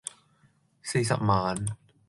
四十萬